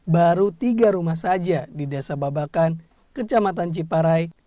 baru tiga rumah saja di desa babakan kecamatan ciparai